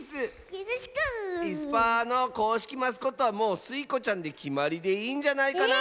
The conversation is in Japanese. よろしく！いすパーのこうしきマスコットはもうスイ子ちゃんできまりでいいんじゃないかなあ。